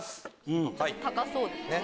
高そうですね。